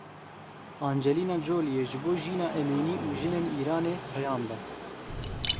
Angelina Jolie ji bo Jîna Emînî û jinên Îranê peyam da.